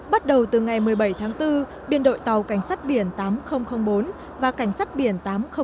bắt đầu từ ngày một mươi bảy tháng bốn biên đội tàu cảnh sát biển tám nghìn bốn và cảnh sát biển tám trăm linh